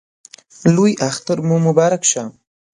لوی اختر مو مبارک شه!